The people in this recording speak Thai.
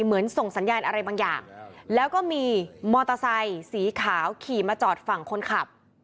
เหมือนส่งสัญญาณอะไรบางอย่างแล้วก็มีมอเตอร์ไซค์สีขาวขี่มาจอดฝั่งคนขับ